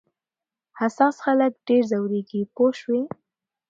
حساس خلک ډېر ځورېږي پوه شوې!.